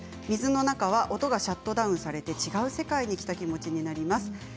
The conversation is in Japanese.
水の中は音がシャットダウンされて違う世界に来た気持ちになります。